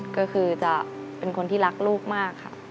ก็คือจะเป็นคนที่รักลูกมากค่ะ